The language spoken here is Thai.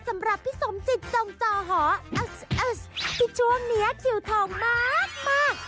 สำหรับพี่สมจิตจงจอหอสที่ช่วงนี้คิวทองมาก